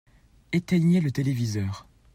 Éteignez le téléviseur.